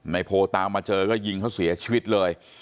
โพตามมาเจอก็ยิงเขาเสียชีวิตเลย